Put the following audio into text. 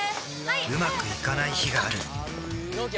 うまくいかない日があるうわ！